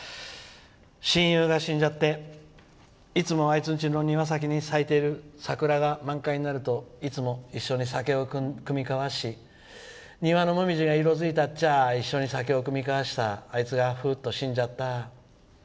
親友が死んじゃっていつもあいつの庭に咲いている桜が咲くと酒を酌み交わし庭のもみじが色づいたっちゃあ一緒に酒を酌み交わしたあいつがふっと死んじゃった。